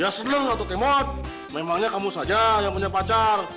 ya senang satu kemot memangnya kamu saja yang punya pacar